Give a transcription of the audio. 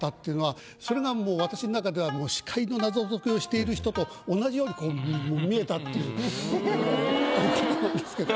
それをこうそれがもう私の中では死海の謎解きをしている人と同じように見えたっていう思ったんですけど。